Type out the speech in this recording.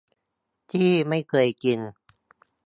ที่ไม่เคยกิน